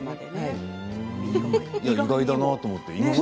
意外だなと思って。